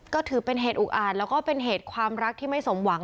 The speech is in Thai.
ก็ถือเป็นเหตุอุกอ่านแล้วก็เป็นเหตุความรักที่ไม่สมหวัง